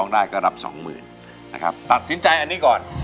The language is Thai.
ได้ก็รับสองหมื่นนะครับตัดสินใจอันนี้ก่อน